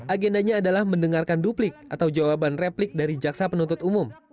agendanya adalah mendengarkan duplik atau jawaban replik dari jaksa penuntut umum